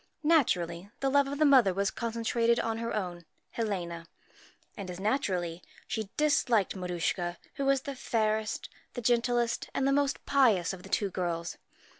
Naturally, the love of the mother was concentrated on her own Helena, and, as naturally, she disliked Maruschka, who was the fairest, the gentlest, and the most pious of the two girls.